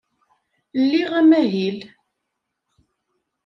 Liɣ amahil.